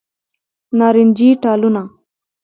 نارنجې ټالونه